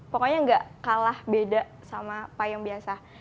pokoknya enggak kalah beda sama pie yang biasa